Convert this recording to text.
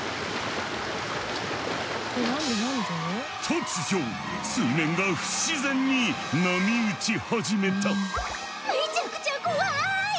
突如水面が不自然に波打ち始めた。